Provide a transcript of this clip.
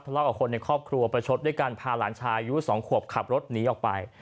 เล่ากับคนในครอบครัวประชดด้วยการพาหลานชายอายุ๒ขวบขับรถหนีออกไป